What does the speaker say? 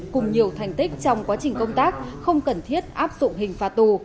cùng nhiều thành tích trong quá trình công tác không cần thiết áp dụng hình phạt tù